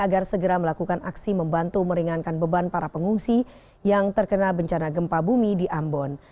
agar segera melakukan aksi membantu meringankan beban para pengungsi yang terkena bencana gempa bumi di ambon